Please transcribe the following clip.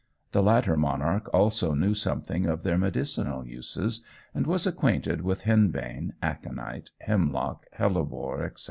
The latter monarch also knew something of their medicinal uses, and was acquainted with henbane, aconite, hemlock, hellebore, etc.